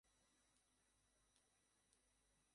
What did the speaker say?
তারপর সোকারপেট এলাকার কাছে কাউকে পাঠিয়েছে, স্যার।